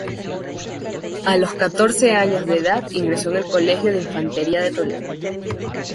A los catorce años de edad ingresó en el Colegio de Infantería de Toledo.